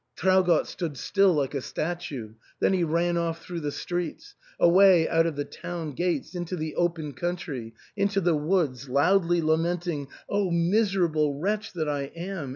Traugott stood like a statue ; then he ran off through the streets — away out of the town gates — into the open country, into the woods, loudly lamenting, " Oh ! miserable wretch that I am